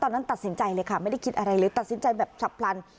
ตอนนั้นตัดสินใจเลยค่ะไม่ได้คิดอะไรเลยตัดสินใจแบบฉับพลัน